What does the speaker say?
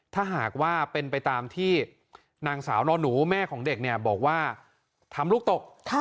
ถ้าหากว่าเป็นไปตามที่นางสาวนอนหนูแม่ของเด็กเนี่ยบอกว่าทำลูกตก